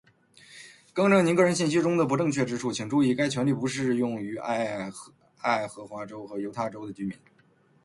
更正您个人信息中的不准确之处，请注意，该权利不适用位于爱荷华州和犹他州的居民；